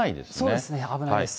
そうですね、危ないです。